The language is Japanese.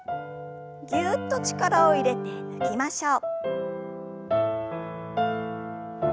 ぎゅっと力を入れて抜きましょう。